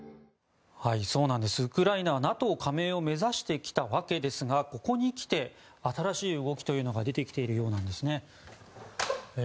ウクライナはＮＡＴＯ加盟を目指してきたわけですがここにきて、新しい動きが出てきているようなんですね。